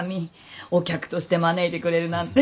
お客として招いてくれるなんて。